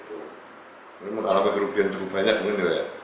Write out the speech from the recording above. tapi mengalami kerugian cukup banyak bukan ya pak